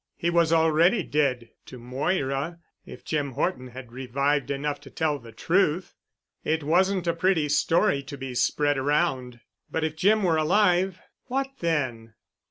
He was already dead, to Moira, if Jim Horton had revived enough to tell the truth. It wasn't a pretty story to be spread around. But if Jim were alive ... what then?